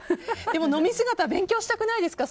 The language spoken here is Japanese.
でも飲み姿勉強したくないですか？